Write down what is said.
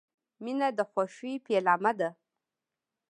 • مینه د خوښۍ پیلامه ده.